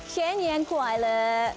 shen yang kuai le